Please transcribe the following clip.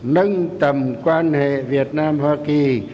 nâng tầm quan hệ việt nam hoa kỳ